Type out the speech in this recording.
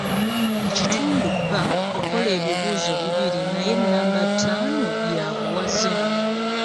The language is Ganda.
Ekitundu B kola ebibuuzo bibiri naye nnamba ttaano ya buwaze.